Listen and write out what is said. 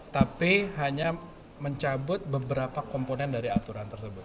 tapi hanya mencabut beberapa komponen dari aturan tersebut